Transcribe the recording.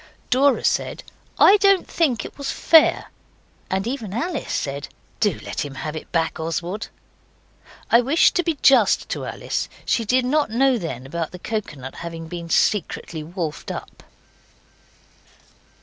Dora said, 'I don't think it was fair,' and even Alice said 'Do let him have it back, Oswald.' I wish to be just to Alice. She did not know then about the coconut having been secretly wolfed up.